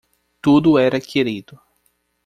Tudo era querido.